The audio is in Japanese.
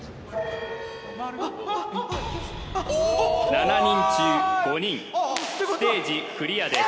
７人中５人ステージクリアです